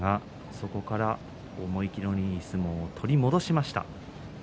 そこから思い切りのいい相撲を取り戻しました。